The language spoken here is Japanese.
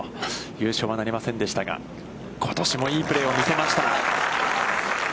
優勝はなりませんでしたが、ことしもいいプレーを見せました。